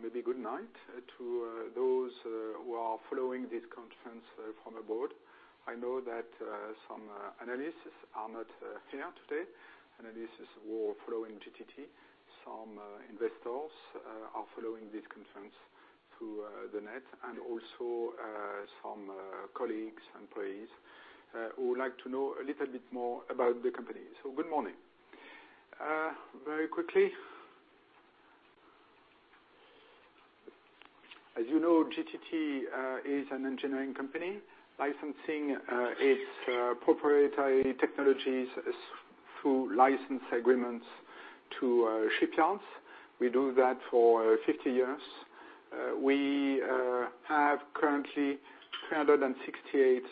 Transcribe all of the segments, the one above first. Morning, or maybe good night to those who are following this conference from abroad. I know that some analysts are not here today. Analysts who are following GTT, some investors are following this conference through the net, and also some colleagues and employees who would like to know a little bit more about the company. So good morning. Very quickly, as you know, GTT is an engineering company licensing its proprietary technologies through license agreements to shipyards. We do that for 50 years. We have currently 368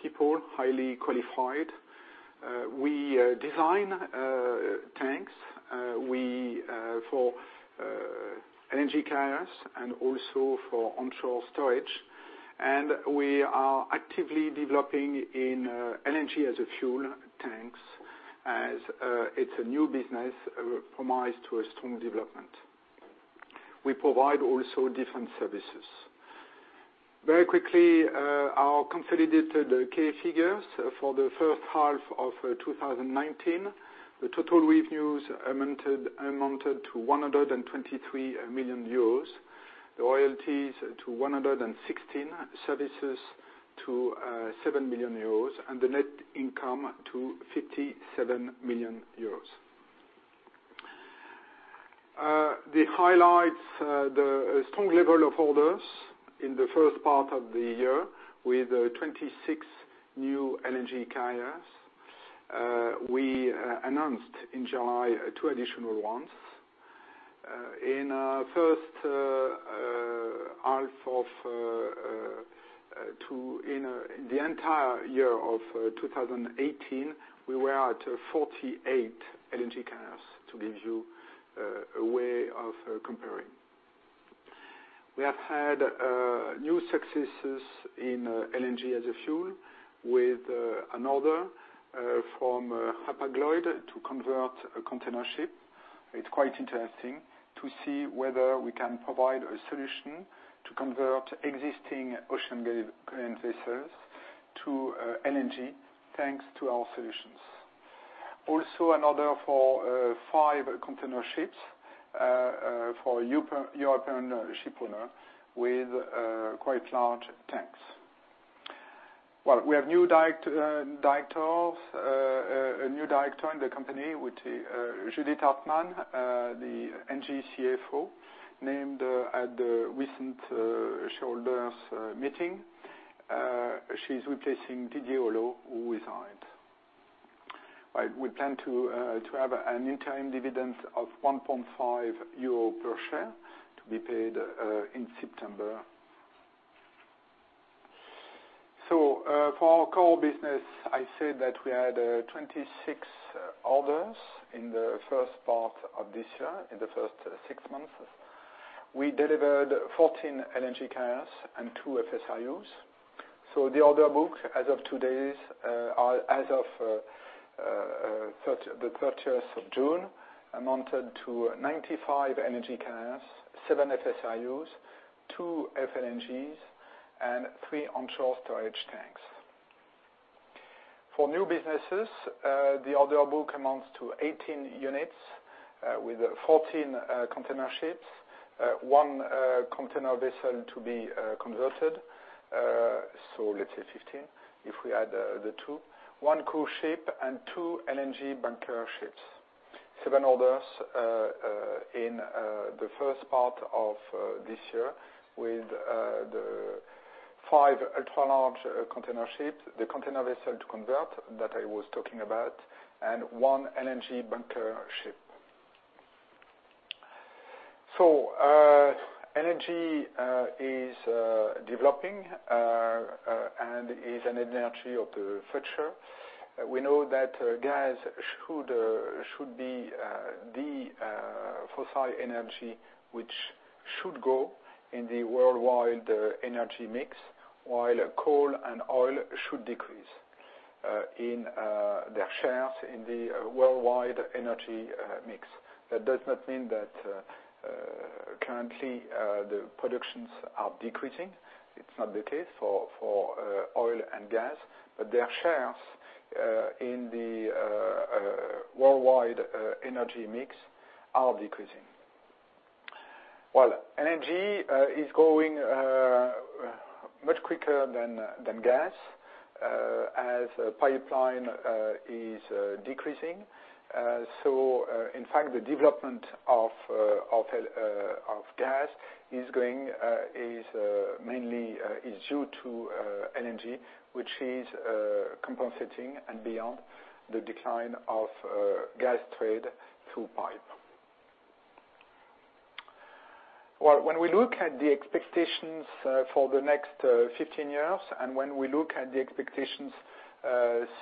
people, highly qualified. We design tanks for LNG carriers and also for onshore storage. We are actively developing LNG as fuel tanks, as it's a new business promised to a strong development. We provide also different services. Very quickly, our consolidated key figures for the first half of 2019: the total revenues amounted to 123 million euros, the royalties to 116, services to 7 million euros, and the net income to 57 million euros. The highlights: the strong level of orders in the first part of the year with 26 new LNG carriers. We announced in July 2 additional ones. In the entire year of 2018, we were at 48 LNG carriers, to give you a way of comparing. We have had new successes in LNG as a fuel with an order from Hapag-Lloyd to convert a container ship. It's quite interesting to see whether we can provide a solution to convert existing ocean-going vessels to LNG thanks to our solutions. Also, an order for 5 container ships for a European ship owner with quite large tanks. Well, we have new directors in the company, which is Judith Hartmann, the Engie CFO, named at the recent shareholders' meeting. She's replacing Didier Holleaux, who is on it. We plan to have an interim dividend of €1.5 per share to be paid in September. So for our core business, I said that we had 26 orders in the first part of this year, in the first six months. We delivered 14 LNG carriers and 2 FSRUs. So the order book as of today's or as of the 30th of June amounted to 95 LNG carriers, 7 FSRUs, 2 FLNGs, and 3 onshore storage tanks. For new businesses, the order book amounts to 18 units with 14 container ships, 1 container vessel to be converted, so let's say 15 if we add the 2, 1 cruise ship, and 2 LNG bunker ships. 7 orders in the first part of this year with the 5 ultra-large container ships, the container vessel to convert that I was talking about, and 1 LNG bunker ship. So LNG is developing and is an LNG of the future. We know that gas should be the fossil LNG which should go in the worldwide LNG mix, while coal and oil should decrease in their shares in the worldwide LNG mix. That does not mean that currently the productions are decreasing. It's not the case for oil and gas, but their shares in the worldwide LNG mix are decreasing. Well, LNG is growing much quicker than gas as pipeline is decreasing. So in fact, the development of gas is mainly due to LNG, which is compensating and beyond the decline of gas trade through pipe. Well, when we look at the expectations for the next 15 years and when we look at the expectations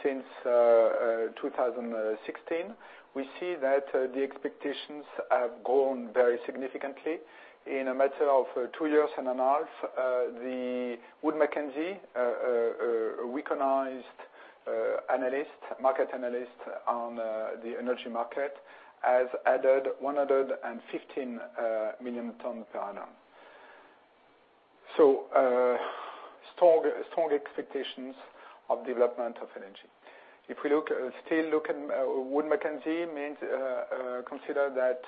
since 2016, we see that the expectations have grown very significantly. In a matter of 2 years and a half, the Wood Mackenzie, a recognized market analyst on the LNG market, has added 115 million tonnes per annum. So strong expectations of development of LNG. If we still look at Wood Mackenzie, consider that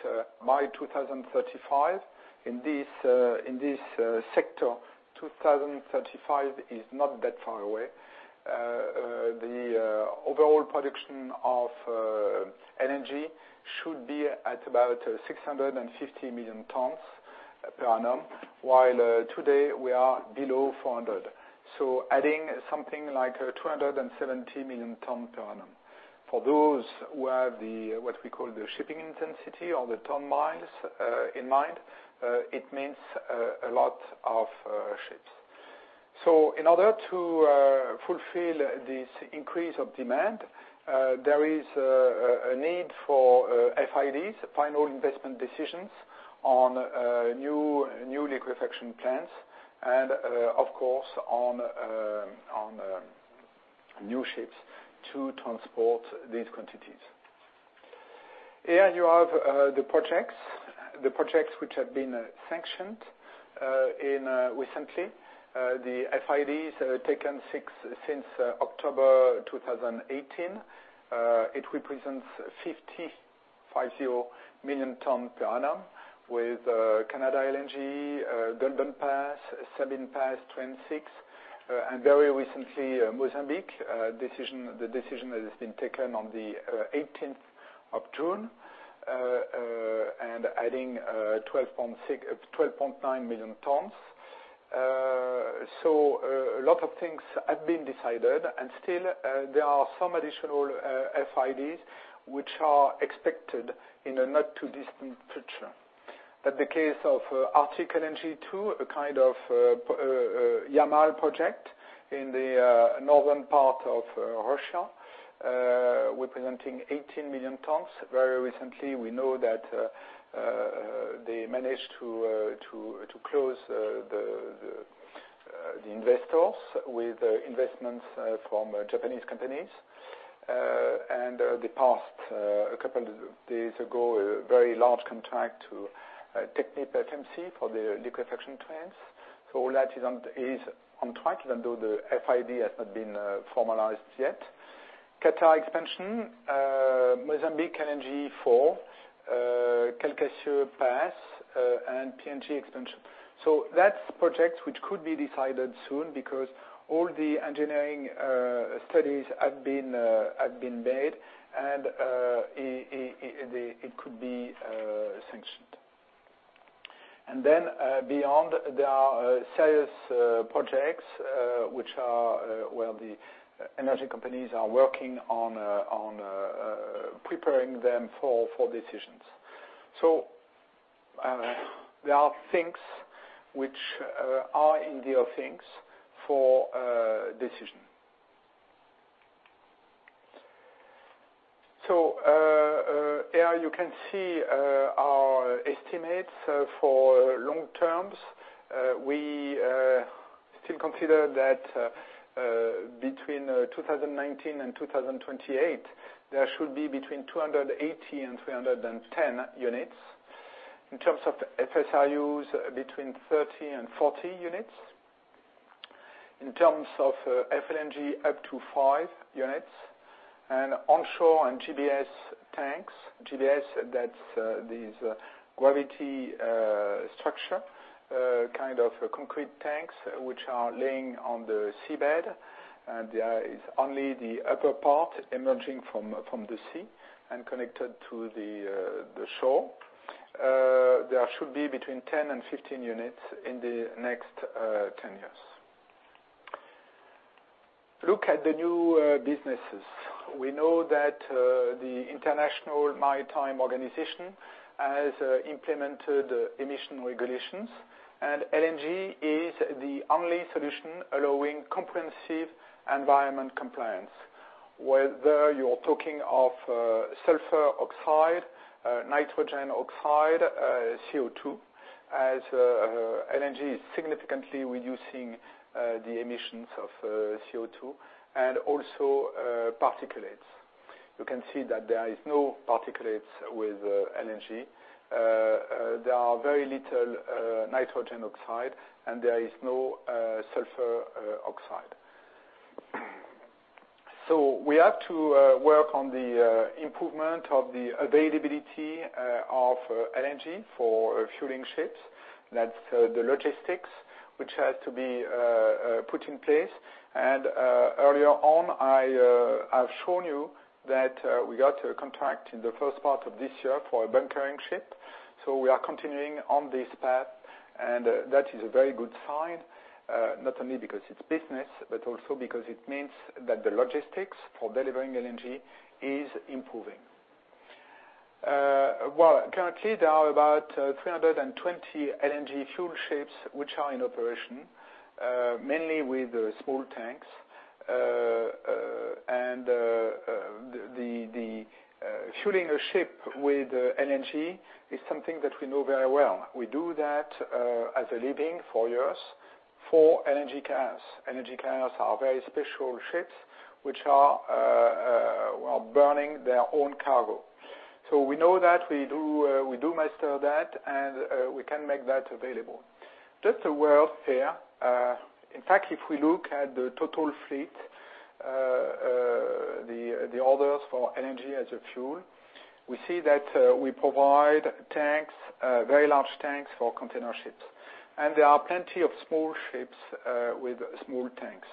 by 2035, in this sector, 2035 is not that far away. The overall production of LNG should be at about 650 million tonnes per annum, while today we are below 400. So adding something like 270 million tonnes per annum. For those who have what we call the shipping intensity or the tonnage in mind, it means a lot of ships. So in order to fulfill this increase of demand, there is a need for FIDs, final investment decisions on new liquefaction plants, and of course on new ships to transport these quantities. Here you have the projects, the projects which have been sanctioned recently. The FIDs taken since October 2018. It represents 550 million tonnes per annum with LNG Canada, Golden Pass, Sabine Pass Train 6, and very recently Mozambique, the decision that has been taken on the 18th of June and adding 12.9 million tonnes. So a lot of things have been decided, and still there are some additional FIDs which are expected in the not-too-distant future. That's the case of Arctic LNG 2, a kind of Yamal project in the northern part of Russia, representing 18 million tonnes. Very recently, we know that they managed to close the investors with investments from Japanese companies. They passed a couple of days ago a very large contract to TechnipFMC for the liquefaction plants. So that is on track, even though the FID has not been formalized yet. Qatar Expansion, Mozambique Area 4, Calcasieu Pass, and PNG Expansion. So that's projects which could be decided soon because all the engineering studies have been made, and it could be sanctioned. And then beyond, there are serious projects which are where the LNG companies are working on preparing them for decisions. So there are things which are in their things for decision. So here you can see our estimates for long terms. We still consider that between 2019 and 2028, there should be between 280 and 310 units. In terms of FSRUs, between 30 and 40 units. In terms of FLNG, up to five units. Onshore and GBS tanks, GBS, that's this gravity structure, kind of concrete tanks which are laying on the seabed. There is only the upper part emerging from the sea and connected to the shore. There should be between 10 and 15 units in the next 10 years. Look at the new businesses. We know that the International Maritime Organization has implemented emission regulations, and LNG is the only solution allowing comprehensive environment compliance. Whether you're talking of sulfur oxide, nitrogen oxide, CO2, as LNG is significantly reducing the emissions of CO2 and also particulates. You can see that there is no particulates with LNG. There are very little nitrogen oxide, and there is no sulfur oxide. So we have to work on the improvement of the availability of LNG for fueling ships. That's the logistics which has to be put in place. Earlier on, I have shown you that we got a contract in the first part of this year for a bunkering ship. So we are continuing on this path, and that is a very good sign, not only because it's business, but also because it means that the logistics for delivering LNG is improving. Well, currently, there are about 320 LNG fuel ships which are in operation, mainly with small tanks. The fueling a ship with LNG is something that we know very well. We do that as a living for years for LNG carriers. LNG carriers are very special ships which are burning their own cargo. So we know that we do master that, and we can make that available. Just a word here. In fact, if we look at the total fleet, the orders for LNG as a fuel, we see that we provide tanks, very large tanks for container ships. There are plenty of small ships with small tanks.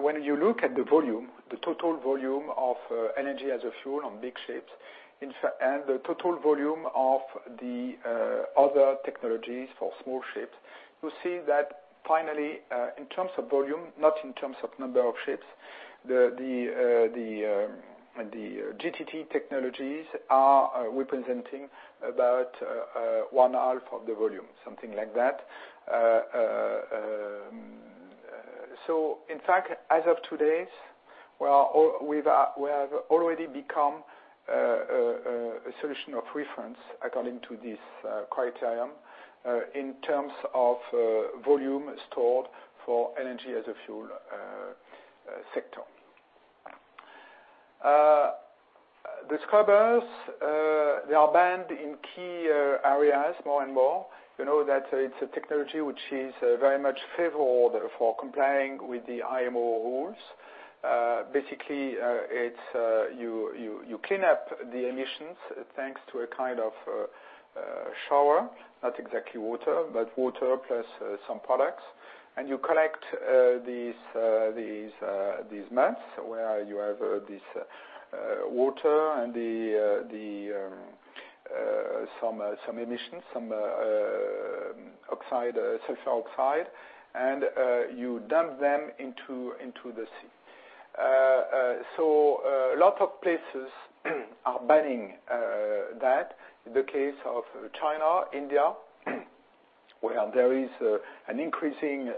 When you look at the volume, the total volume of LNG as a fuel on big ships, and the total volume of the other technologies for small ships, you see that finally, in terms of volume, not in terms of number of ships, the GTT technologies are representing about one half of the volume, something like that. So in fact, as of today, we have already become a solution of reference according to this criterion in terms of volume stored for LNG as a fuel sector. The scrubbers, they are banned in key areas more and more. You know that it's a technology which is very much favorable for complying with the IMO rules. Basically, you clean up the emissions thanks to a kind of shower, not exactly water, but water plus some products. You collect these muds where you have this water and some emissions, some sulfur oxide, and you dump them into the sea. So a lot of places are banning that. The case of China, India, where there is an increasing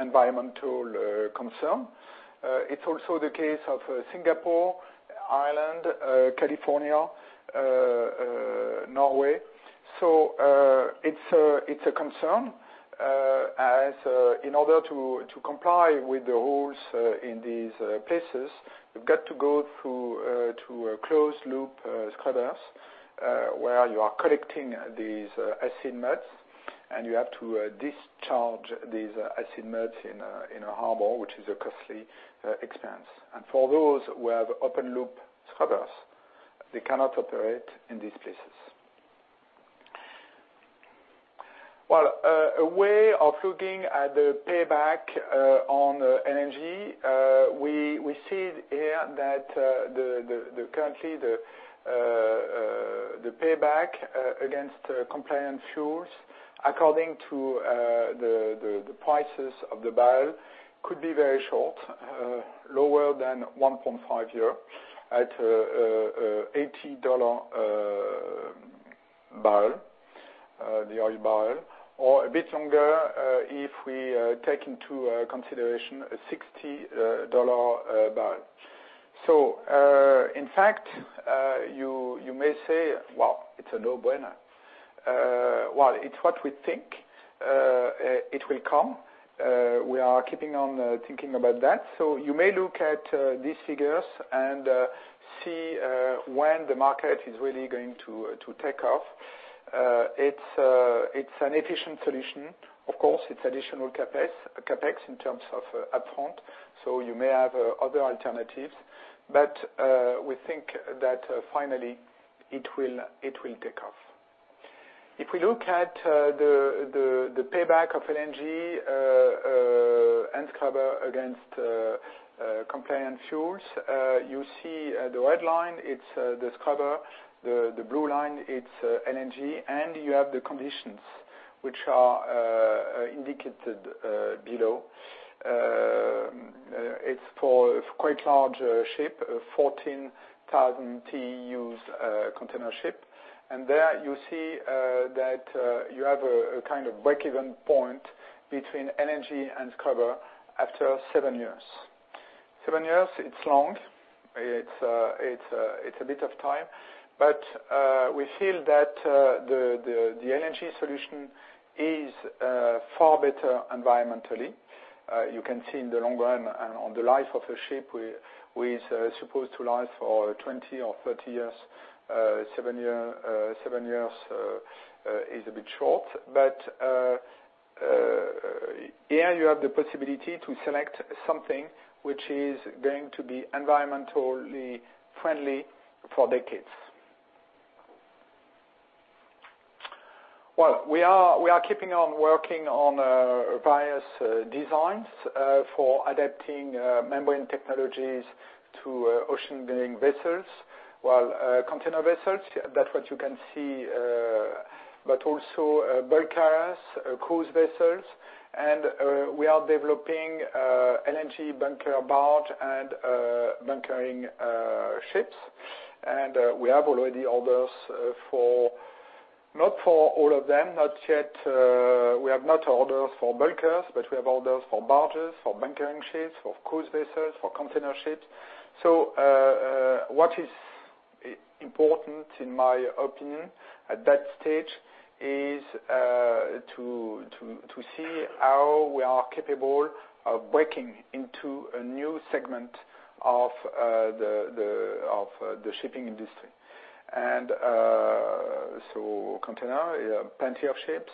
environmental concern. It's also the case of Singapore, Ireland, California, Norway. So it's a concern as in order to comply with the rules in these places, you've got to go through to a closed-loop scrubbers where you are collecting these acid muds, and you have to discharge these acid muds in a harbor, which is a costly expense. For those who have open-loop scrubbers, they cannot operate in these places. Well, a way of looking at the payback on LNG, we see here that currently the payback against compliant fuels, according to the prices of the barrel, could be very short, lower than 1.5 year at $80 barrel, the oil barrel, or a bit longer if we take into consideration a $60 barrel. So in fact, you may say, "Well, it's a no-brainer." Well, it's what we think. It will come. We are keeping on thinking about that. So you may look at these figures and see when the market is really going to take off. It's an efficient solution. Of course, it's additional CAPEX in terms of upfront. So you may have other alternatives, but we think that finally it will take off. If we look at the payback of LNG and scrubber against compliant fuels, you see the red line, it's the scrubber. The blue line, it's LNG. You have the conditions which are indicated below. It's for a quite large ship, 14,000 TEUs container ship. There you see that you have a kind of break-even point between LNG and scrubber after 7 years. 7 years, it's long. It's a bit of time. But we feel that the LNG solution is far better environmentally. You can see in the long run and on the life of a ship, which is supposed to last for 20 or 30 years, 7 years is a bit short. But here you have the possibility to select something which is going to be environmentally friendly for decades. Well, we are keeping on working on various designs for adapting membrane technologies to ocean-going vessels. Well, container vessels, that's what you can see, but also bulk carriers, cruise vessels. And we are developing LNG bunker barge and bunkering ships. We have already orders for not for all of them, not yet. We have not orders for bulkers, but we have orders for barges, for bunkering ships, for cruise vessels, for container ships. So what is important, in my opinion, at that stage is to see how we are capable of breaking into a new segment of the shipping industry. And so container, plenty of ships.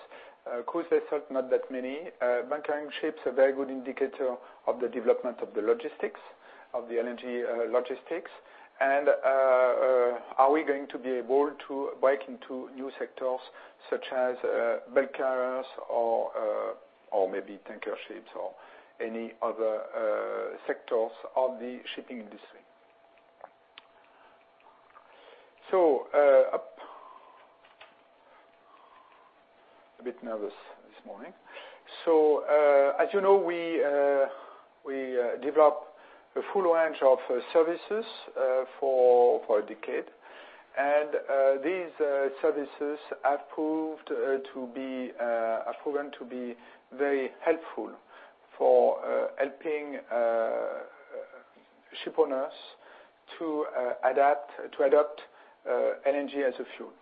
Cruise vessels, not that many. Bunkering ships are a very good indicator of the development of the logistics, of the LNG logistics. And are we going to be able to break into new sectors such as bulk carriers or maybe tanker ships or any other sectors of the shipping industry? So a bit nervous this morning. So as you know, we develop a full range of services for a decade. These services have proven to be very helpful for helping shipowners to adopt LNG as a fuel.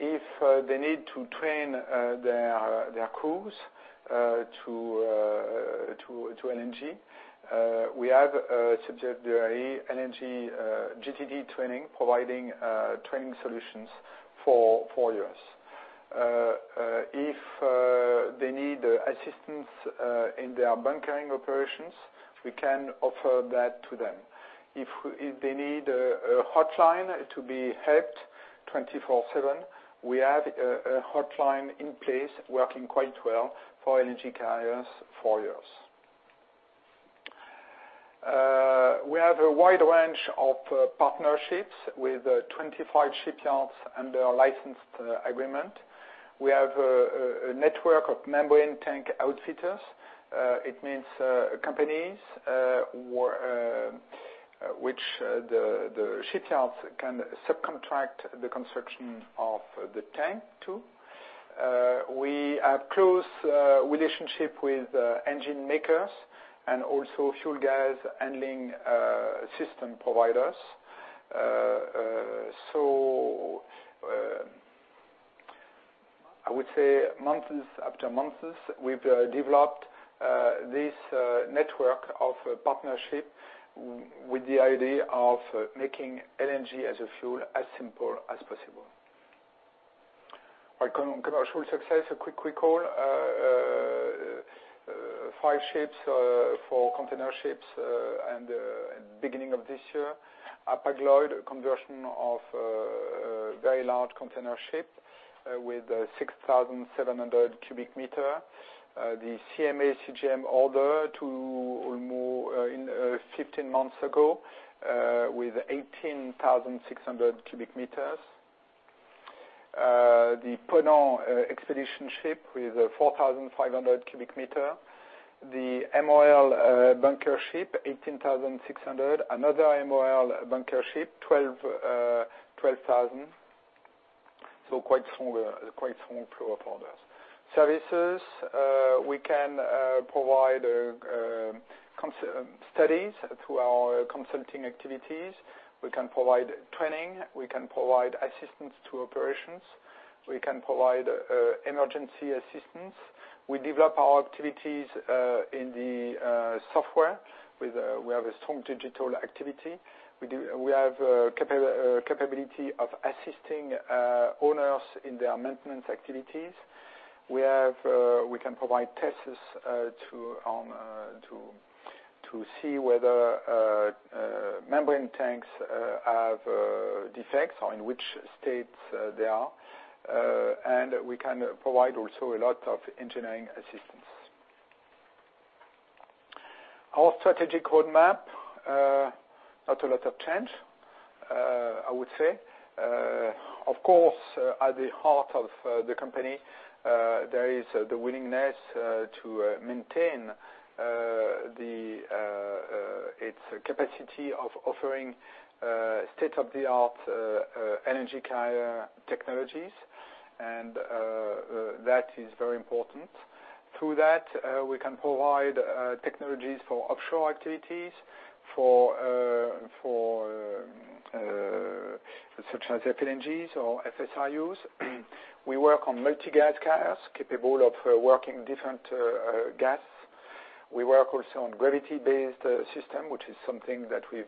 If they need to train their crews to LNG, we have subsidiary LNG GTT training providing training solutions for years. If they need assistance in their bunkering operations, we can offer that to them. If they need a hotline to be helped 24/7, we have a hotline in place working quite well for LNG carriers for years. We have a wide range of partnerships with 25 shipyards under licensed agreement. We have a network of membrane tank outfitters. It means companies which the shipyards can subcontract the construction of the tank to. We have close relationships with engine makers and also fuel gas handling system providers. So I would say months after months, we've developed this network of partnership with the idea of making LNG as a fuel as simple as possible. Commercial success, a quick recall. 5 ships for container ships at the beginning of this year. Hapag-Lloyd, conversion of a very large container ship with 6,700 cubic meters. The CMA CGM order 15 months ago with 18,600 cubic meters. The Ponant expedition ship with 4,500 cubic meters. The MOL bunker ship, 18,600. Another MOL bunker ship, 12,000. So quite strong fuel orders. Services, we can provide studies through our consulting activities. We can provide training. We can provide assistance to operations. We can provide emergency assistance. We develop our activities in the software. We have a strong digital activity. We have capability of assisting owners in their maintenance activities. We can provide tests to see whether membrane tanks have defects or in which states they are. We can provide also a lot of engineering assistance. Our strategic roadmap, not a lot of change, I would say. Of course, at the heart of the company, there is the willingness to maintain its capacity of offering state-of-the-art LNG carrier technologies. That is very important. Through that, we can provide technologies for offshore activities such as FLNGs or FSRUs. We work on multi-gas carriers capable of working different gas. We work also on gravity-based systems, which is something that we're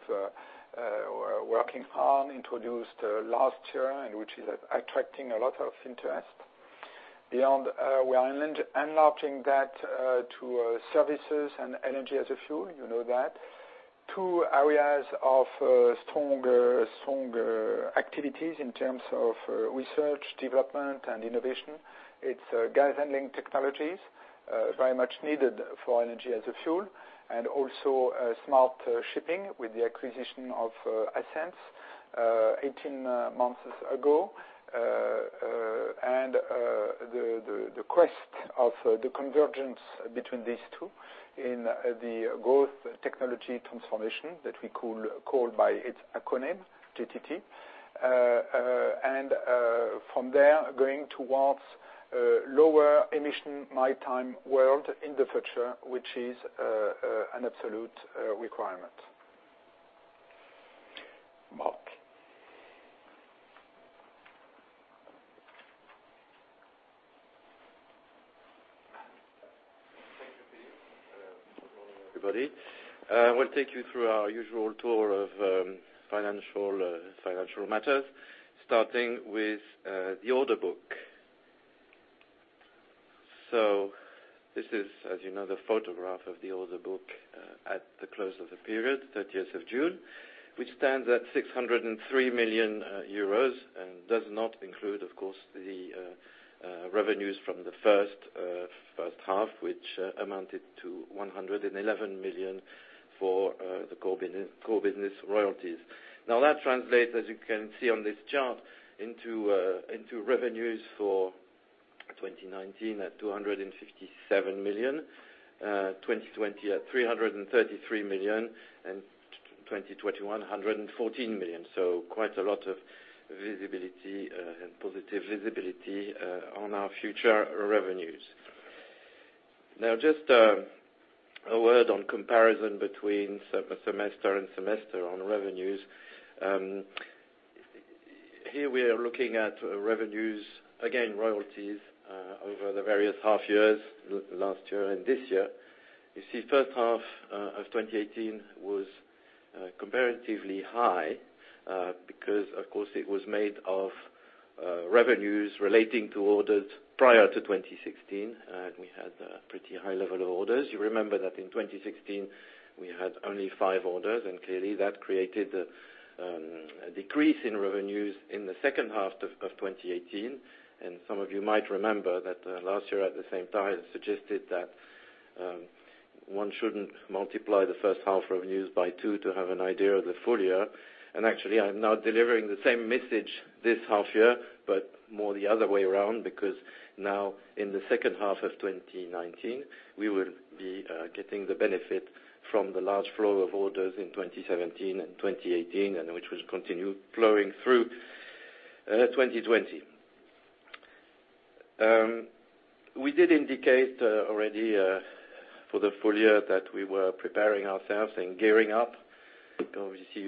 working on, introduced last year, and which is attracting a lot of interest. We are enlarging that to services and LNG as a fuel. You know that. Two areas of strong activities in terms of research, development, and innovation. It's gas handling technologies, very much needed for LNG as a fuel, and also smart shipping with the acquisition of Ascenz 18 months ago. The quest of the convergence between these two in the growth technology transformation that we call by its acronym, GTT. From there, going towards a lower emission lifetime world in the future, which is an absolute requirement. Marc. Everybody. We'll take you through our usual tour of financial matters, starting with the order book. So this is, as you know, the photograph of the order book at the close of the period, 30th of June, which stands at 603 million euros and does not include, of course, the revenues from the first half, which amounted to 111 million for the core business royalties. Now, that translates, as you can see on this chart, into revenues for 2019 at 257 million, 2020 at 333 million, and 2021, 114 million. So quite a lot of visibility and positive visibility on our future revenues. Now, just a word on comparison between semester and semester on revenues. Here we are looking at revenues, again, royalties over the various half years, last year and this year. You see, first half of 2018 was comparatively high because, of course, it was made of revenues relating to orders prior to 2016. We had a pretty high level of orders. You remember that in 2016, we had only 5 orders. And clearly, that created a decrease in revenues in the second half of 2018. And some of you might remember that last year, at the same time, I suggested that one shouldn't multiply the first half revenues by 2 to have an idea of the full year. Actually, I'm now delivering the same message this half year, but more the other way around because now, in the second half of 2019, we will be getting the benefit from the large flow of orders in 2017 and 2018, which will continue flowing through 2020. We did indicate already for the full year that we were preparing ourselves and gearing up. Obviously,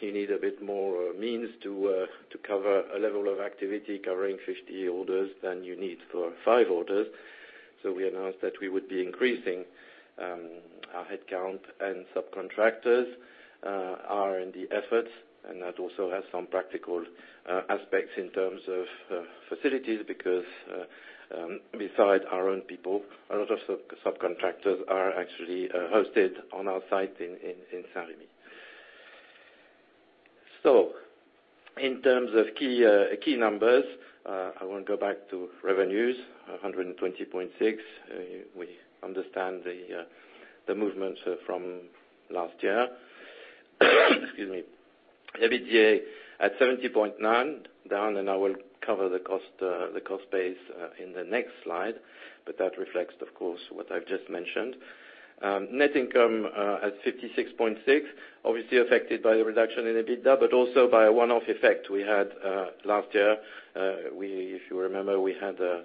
you need a bit more means to cover a level of activity covering 50 orders than you need for 5 orders. So we announced that we would be increasing our headcount and subcontractors are in the effort. And that also has some practical aspects in terms of facilities because, besides our own people, a lot of subcontractors are actually hosted on our site in Saint-Rémy. So in terms of key numbers, I want to go back to revenues, 120.6. We understand the movements from last year. Excuse me. EBITDA at 70.9 million down, and I will cover the cost base in the next slide. But that reflects, of course, what I've just mentioned. Net income at 56.6 million, obviously affected by the reduction in EBITDA, but also by a one-off effect we had last year. If you remember, we had a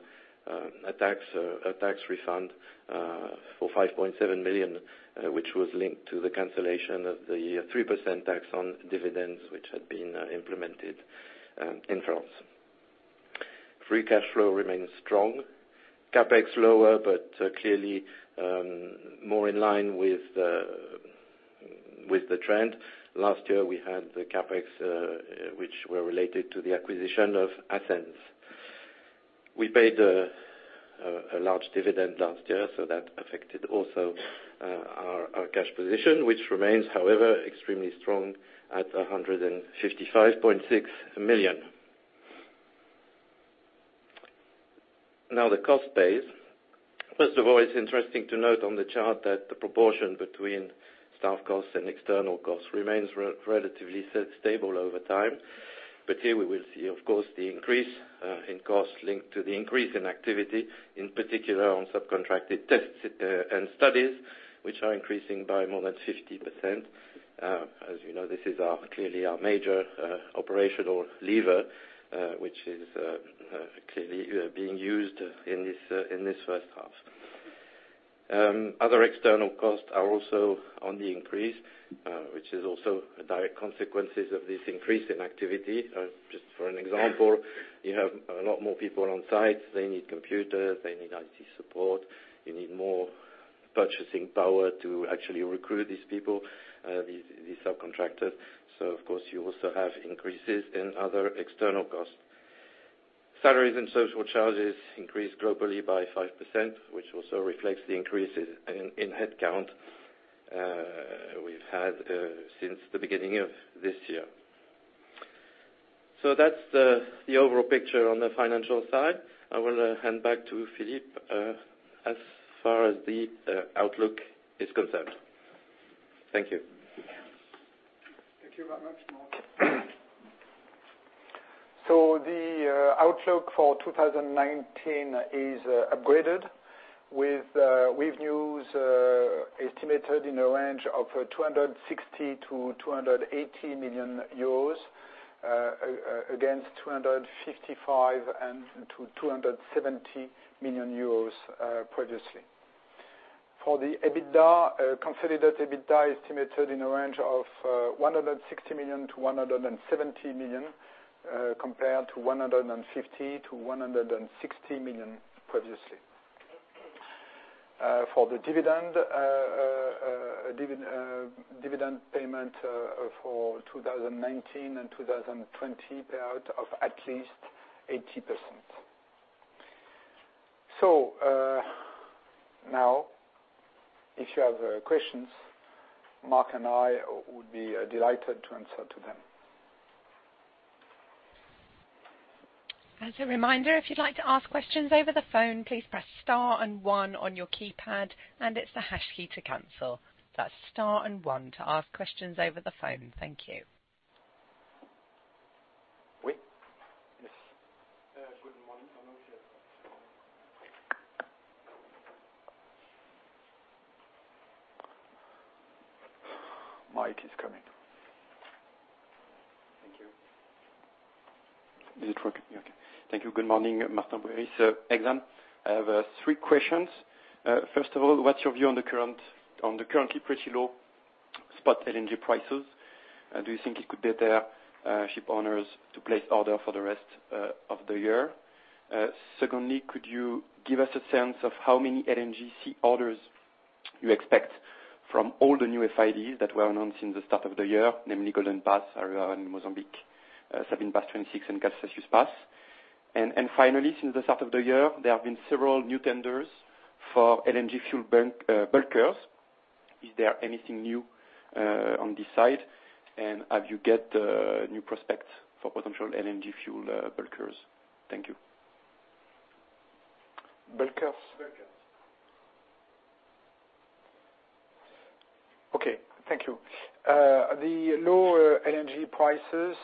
tax refund for 5.7 million, which was linked to the cancellation of the 3% tax on dividends, which had been implemented in France. Free cash flow remains strong. CAPEX lower, but clearly more in line with the trend. Last year, we had the CAPEX, which were related to the acquisition of Ascentz. We paid a large dividend last year, so that affected also our cash position, which remains, however, extremely strong at 155.6 million. Now, the cost base. First of all, it's interesting to note on the chart that the proportion between staff costs and external costs remains relatively stable over time. But here, we will see, of course, the increase in costs linked to the increase in activity, in particular on subcontracted tests and studies, which are increasing by more than 50%. As you know, this is clearly our major operational lever, which is clearly being used in this first half. Other external costs are also on the increase, which is also a direct consequence of this increase in activity. Just for an example, you have a lot more people on site. They need computers. They need IT support. You need more purchasing power to actually recruit these people, these subcontractors. So, of course, you also have increases in other external costs. Salaries and social charges increased globally by 5%, which also reflects the increases in headcount we've had since the beginning of this year. So that's the overall picture on the financial side. I will hand back to Philippe as far as the outlook is concerned. Thank you. Thank you very much, Marc. So the outlook for 2019 is upgraded with revenues estimated in a range of 260 million-280 million euros against 255 million-270 million euros previously. For the EBITDA, consolidated EBITDA estimated in a range of 160 million-170 million compared to 150 million-160 million previously. For the dividend payment for 2019 and 2020, payout of at least 80%. So now, if you have questions, Marc and I would be delighted to answer to them. As a reminder, if you'd like to ask questions over the phone, please press star and one on your keypad, and it's the hash key to cancel. That's star and one to ask questions over the phone. Thank you. Oui. Yes. Good morning. Mike is coming. Thank you. Is it working? Okay. Thank you. Good morning, Martin Tessier, Exane, I have three questions. First of all, what's your view on the currently pretty low spot LNG prices? Do you think it could be there ship owners to place order for the rest of the year? Secondly, could you give us a sense of how many LNGC orders you expect from all the new FIDs that were announced since the start of the year, namely Golden Pass, Area 1, and Mozambique, Sabine Pass 26, and Calcasieu Pass? Finally, since the start of the year, there have been several new tenders for LNG fuel bulkers. Is there anything new on this side? And have you got new prospects for potential LNG fuel bulkers? Thank you. Bulkers. Bulkers. Okay. Thank you. The low LNG prices,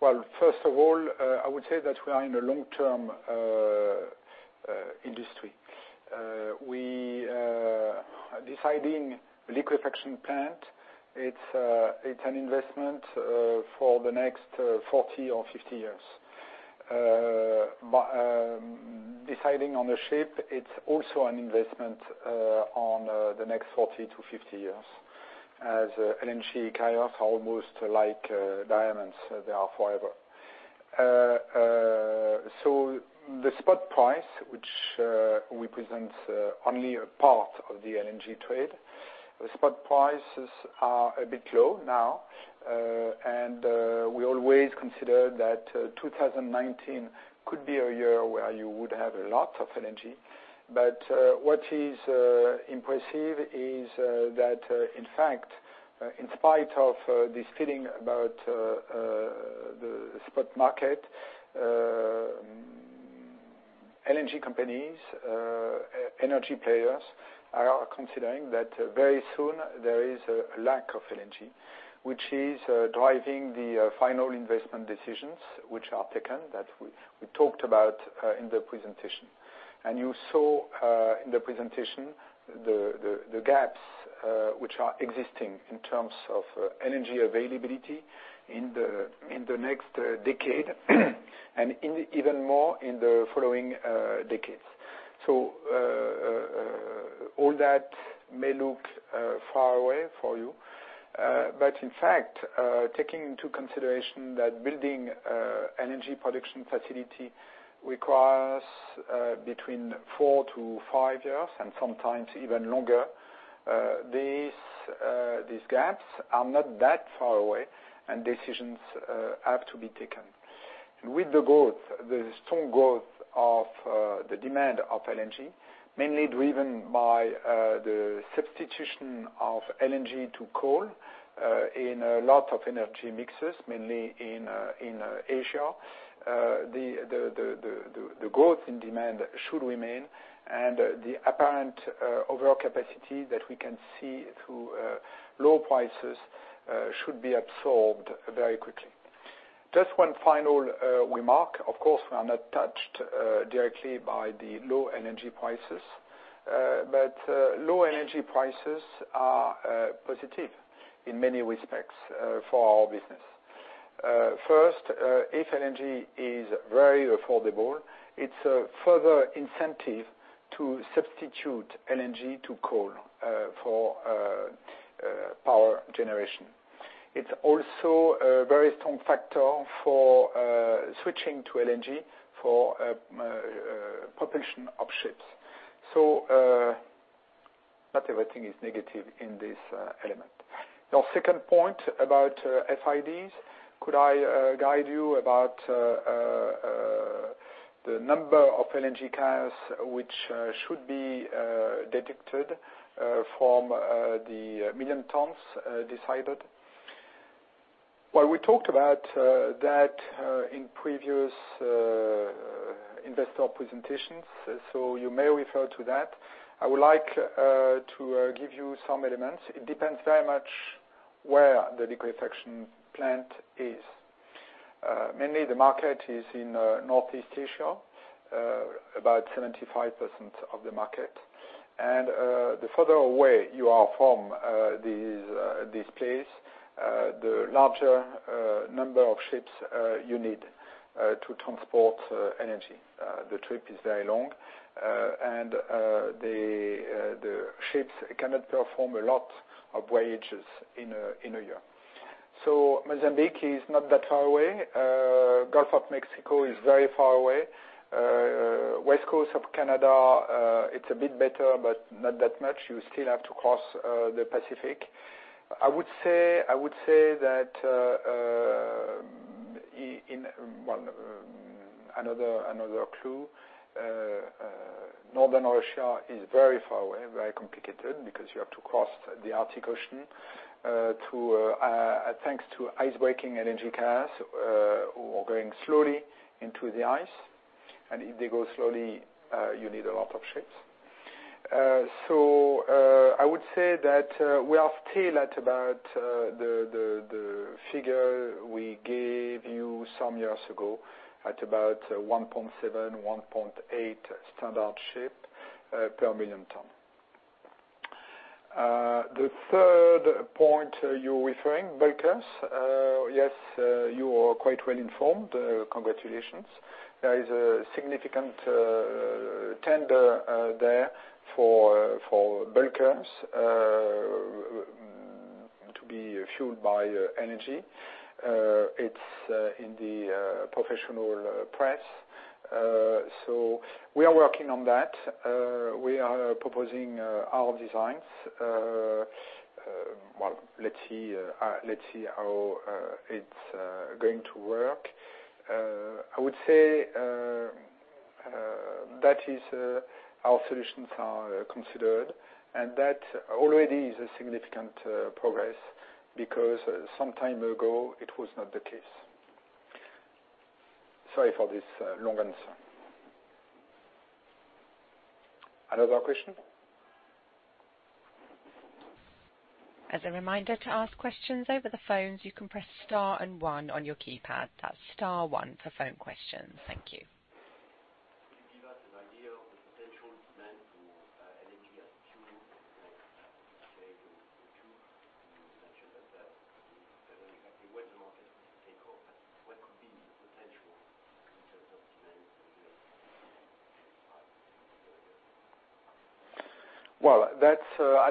well, first of all, I would say that we are in a long-term industry. Deciding liquefaction plant, it's an investment for the next 40 or 50 years. Deciding on a ship, it's also an investment on the next 40-50 years, as LNG carriers are almost like diamonds. They are forever. So the spot price, which represents only a part of the LNG trade, the spot prices are a bit low now. And we always consider that 2019 could be a year where you would have a lot of LNG. But what is impressive is that, in fact, in spite of this feeling about the spot market, LNG companies, LNG players are considering that very soon there is a lack of LNG, which is driving the final investment decisions which are taken that we talked about in the presentation. And you saw in the presentation the gaps which are existing in terms of LNG availability in the next decade and even more in the following decades. So all that may look far away for you. But in fact, taking into consideration that building LNG production facility requires between 4 to 5 years and sometimes even longer, these gaps are not that far away, and decisions have to be taken. With the growth, the strong growth of the demand of LNG, mainly driven by the substitution of LNG to coal in a lot of LNG mixes, mainly in Asia, the growth in demand should remain. The apparent overall capacity that we can see through low prices should be absorbed very quickly. Just one final remark. Of course, we are not touched directly by the low LNG prices, but low LNG prices are positive in many respects for our business. First, if LNG is very affordable, it's a further incentive to substitute LNG to coal for power generation. It's also a very strong factor for switching to LNG for propulsion of ships. So not everything is negative in this element. Now, second point about FIDs, could I guide you about the number of LNG carriers which should be detected from the million tons decided? Well, we talked about that in previous investor presentations, so you may refer to that. I would like to give you some elements. It depends very much where the liquefaction plant is. Mainly, the market is in Northeast Asia, about 75% of the market. And the further away you are from this place, the larger number of ships you need to transport LNG. The trip is very long, and the ships cannot perform a lot of voyages in a year. So Mozambique is not that far away. Gulf of Mexico is very far away. West Coast of Canada, it's a bit better, but not that much. You still have to cross the Pacific. I would say that another clue: Northern Russia is very far away, very complicated because you have to cross the Arctic Ocean thanks to ice-breaking LNG carriers who are going slowly into the ice. And if they go slowly, you need a lot of ships. So I would say that we are still at about the figure we gave you some years ago at about 1.7, 1.8 standard ship per million ton. The third point you're referring, bulkers, yes, you are quite well informed. Congratulations. There is a significant tender there for bulkers to be fueled by LNG. It's in the professional press. So we are working on that. We are proposing our designs. Well, let's see how it's going to work. I would say that our solutions are considered, and that already is a significant progress because some time ago, it was not the case. Sorry for this long answer. Another question? As a reminder to ask questions over the phones, you can press star and one on your keypad. That's star one for phone questions. Thank you.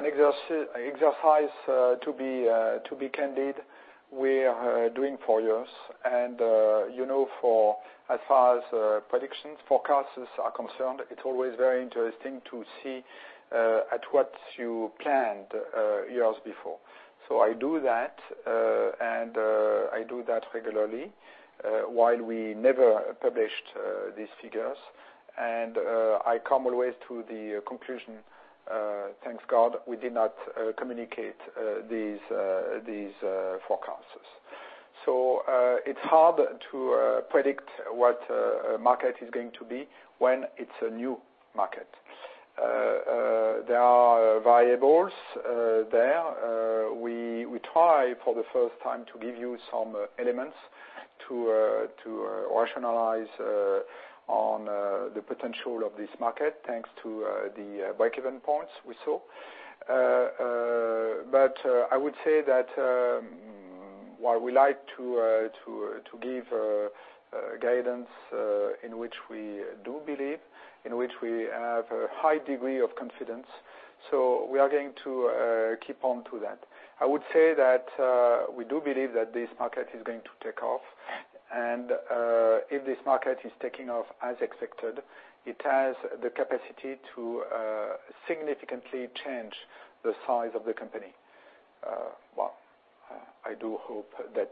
To give us an idea of the potential demand for LNG as fuel and liquefaction in the future, you mentioned that there's not exactly where the market will take off, but what could be the potential in terms of demand and LNG demand in the future? Well, that's an exercise, to be candid. We are doing for years. As far as predictions, forecasts are concerned, it's always very interesting to see at what you planned years before. I do that, and I do that regularly while we never published these figures. I come always to the conclusion, thank God we did not communicate these forecasts. It's hard to predict what a market is going to be when it's a new market. There are variables there. We try for the first time to give you some elements to rationalize on the potential of this market thanks to the break-even points we saw. But I would say that while we like to give guidance in which we do believe, in which we have a high degree of confidence, so we are going to keep on to that. I would say that we do believe that this market is going to take off. And if this market is taking off as expected, it has the capacity to significantly change the size of the company. Well, I do hope that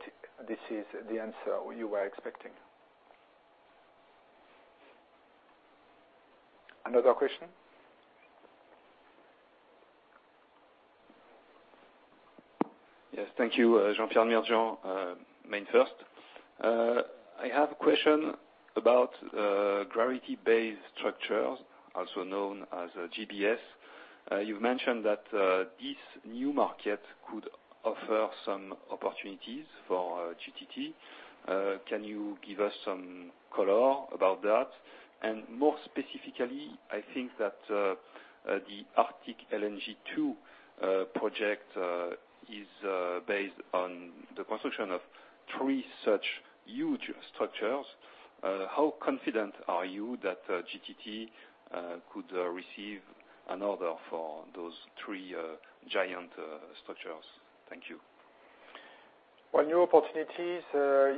this is the answer you were expecting. Another question? Yes. Thank you, Jean-Pierre Lambert, MainFirst. I have a question about gravity-based structures, also known as GBS. You've mentioned that this new market could offer some opportunities for GTT. Can you give us some color about that? More specifically, I think that the Arctic LNG 2 project is based on the construction of three such huge structures. How confident are you that GTT could receive an order for those three giant structures? Thank you. Well, new opportunities,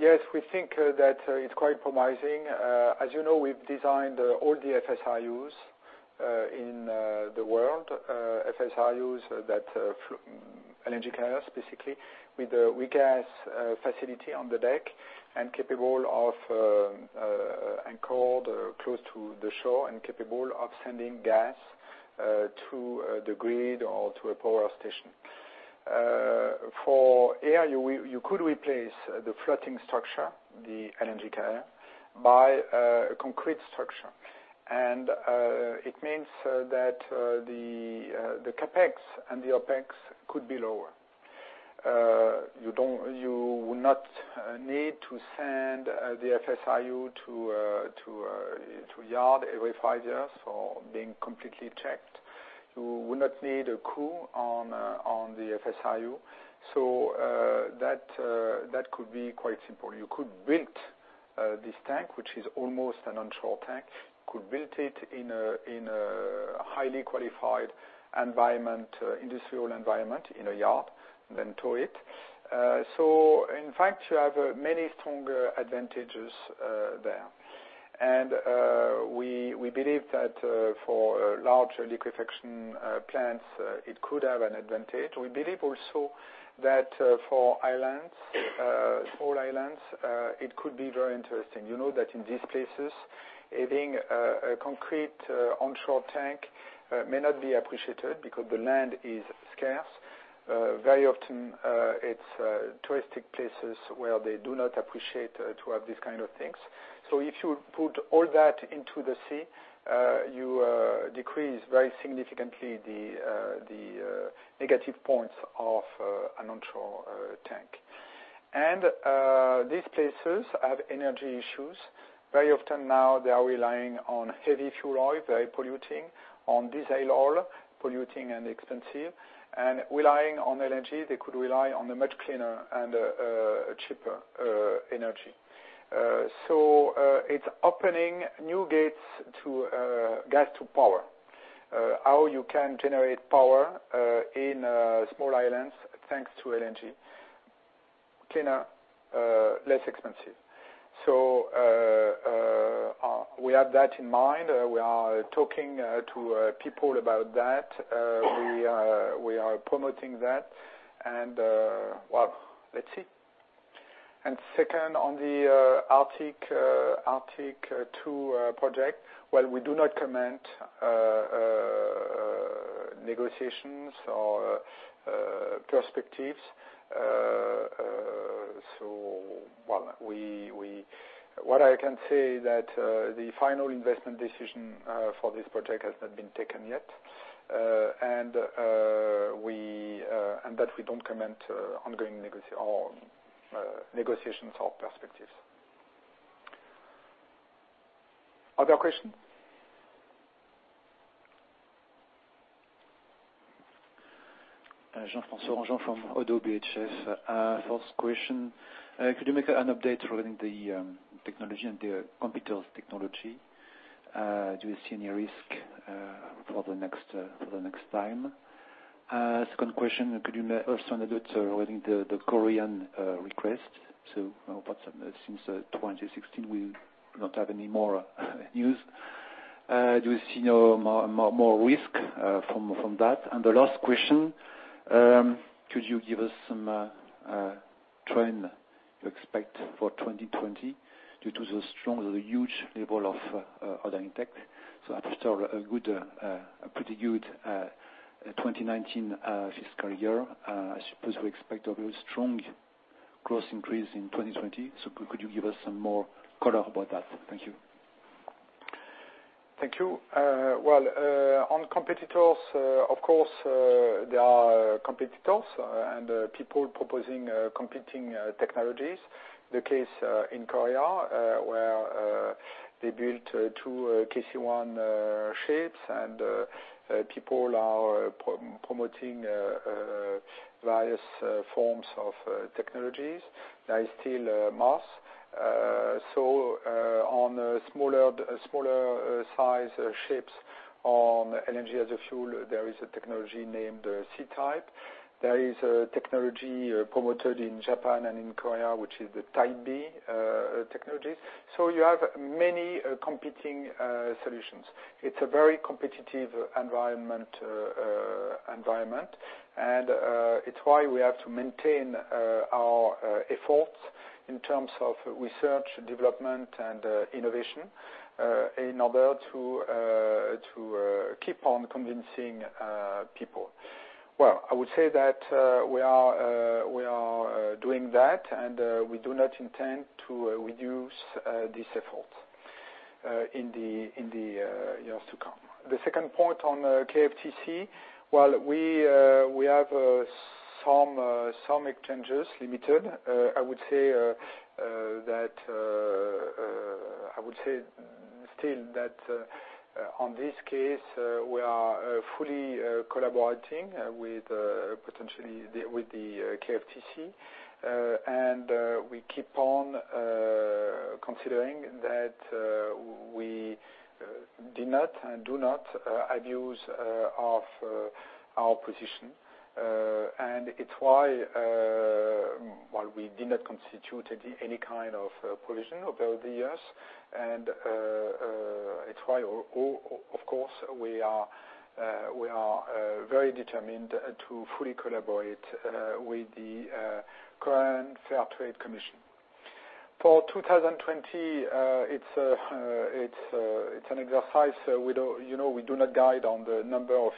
yes, we think that it's quite promising. As you know, we've designed all the FSRUs in the world, FSRUs that LNG carriers specifically, with a regas facility on the deck and capable of anchored close to the shore and capable of sending gas to the grid or to a power station. For air, you could replace the floating structure, the LNG carrier, by a concrete structure. And it means that the CAPEX and the OPEX could be lower. You will not need to send the FSRU to yard every five years for being completely checked. You will not need a crew on the FSRU. So that could be quite simple. You could build this tank, which is almost an onshore tank. You could build it in a highly qualified environment, industrial environment in a yard, then tow it. So in fact, you have many strong advantages there. And we believe that for large liquefaction plants, it could have an advantage. We believe also that for islands, small islands, it could be very interesting. You know that in these places, having a concrete onshore tank may not be appreciated because the land is scarce. Very often, it's touristic places where they do not appreciate to have this kind of things. So if you put all that into the sea, you decrease very significantly the negative points of an onshore tank. And these places have LNG issues. Very often now, they are relying on heavy fuel oil, very polluting, on diesel oil, polluting and expensive. Relying on LNG, they could rely on a much cleaner and cheaper LNG. So it's opening new gates to gas to power, how you can generate power in small islands thanks to LNG, cleaner, less expensive. So we have that in mind. We are talking to people about that. We are promoting that. And well, let's see. And second, on the Arctic LNG 2 project, well, we do not comment negotiations or perspectives. So what I can say is that the final investment decision for this project has not been taken yet. And that we don't comment ongoing negotiations or perspectives. Other questions? Jean-François Granjon from Oddo BHF. First question, could you make an update regarding the technology and the competitive technology? Do you see any risk for the next time? Second question, could you also add a bit regarding the Korean request? So since 2016, we don't have any more news. Do you see no more risk from that? And the last question, could you give us some trend you expect for 2020 due to the strong or the huge level of other index? So after a pretty good 2019 fiscal year, I suppose we expect a very strong gross increase in 2020. So could you give us some more color about that? Thank you. Thank you. Well, on competitors, of course, there are competitors and people proposing competing technologies. The case in Korea where they built two KC-1 ships, and people are promoting various forms of technologies. There is still mass. So on smaller size ships on LNG as a fuel, there is a technology named C-type. There is a technology promoted in Japan and in Korea, which is the Type B technologies. So you have many competing solutions. It's a very competitive environment. It's why we have to maintain our efforts in terms of research, development, and innovation in order to keep on convincing people. Well, I would say that we are doing that, and we do not intend to reduce these efforts in the years to come. The second point on KFTC, well, we have some exchanges limited. I would say that still, on this case, we are fully collaborating with potentially with the KFTC. We keep on considering that we did not and do not abuse of our position. It's why, well, we did not constitute any kind of provision over the years. It's why, of course, we are very determined to fully collaborate with the current Fair Trade Commission. For 2020, it's an exercise we do not guide on the number of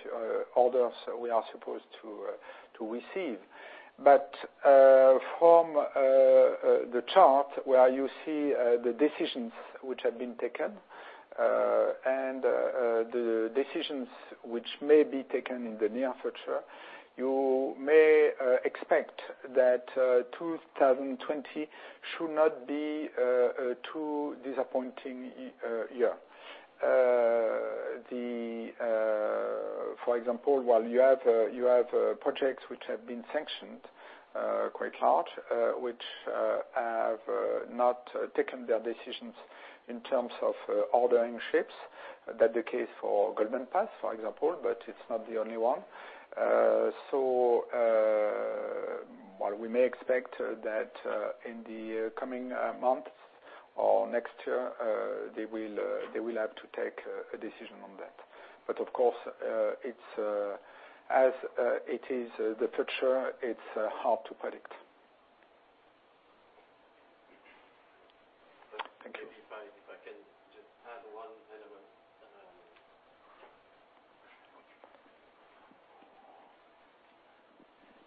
orders we are supposed to receive. But from the chart where you see the decisions which have been taken and the decisions which may be taken in the near future, you may expect that 2020 should not be a too disappointing year. For example, while you have projects which have been sanctioned quite large, which have not taken their decisions in terms of ordering ships, that's the case for Golden Pass, for example, but it's not the only one. So while we may expect that in the coming months or next year, they will have to take a decision on that. But of course, as it is the future, it's hard to predict.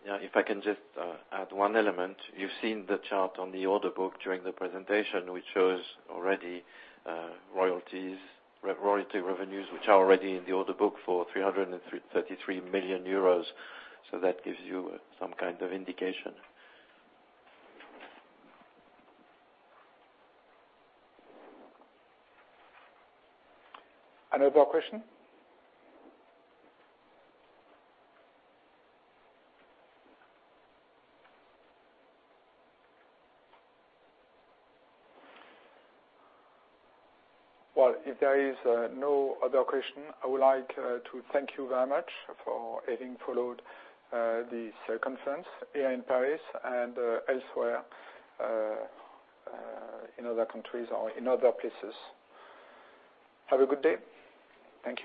Thank you. If I can just add one element. Yeah, if I can just add one element, you've seen the chart on the order book during the presentation, which shows already royalty revenues which are already in the order book for 333 million euros. So that gives you some kind of indication. Another question? Well, if there is no other question, I would like to thank you very much for having followed this conference here in Paris and elsewhere in other countries or in other places. Have a good day. Thank you.